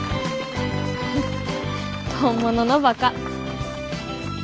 本物のバカ。